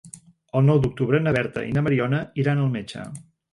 El nou d'octubre na Berta i na Mariona iran al metge.